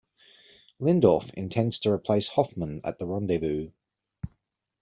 Lindorf intends to replace Hoffmann at the rendezvous.